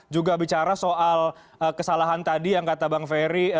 juga bicara soal kesalahan tadi yang kata bang ferry